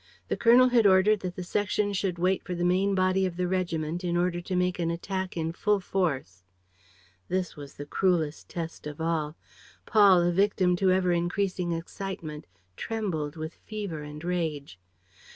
The colonel had ordered that the section should wait for the main body of the regiment in order to make an attack in full force. This was the cruelest test of all. Paul, a victim to ever increasing excitement, trembled with fever and rage.